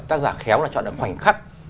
tác giả khéo là chọn được khoảnh khắc